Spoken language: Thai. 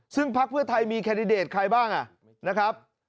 ซึ่งพักเพื่อไทยมีแคนดิเดตใครบ้างนะครับ